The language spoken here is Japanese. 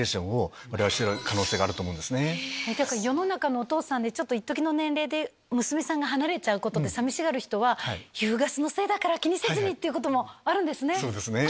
世の中のお父さんでいっときの年齢で娘さんが離れちゃうことを寂しがる人は皮膚ガスのせいだから気にせずに！ってこともある。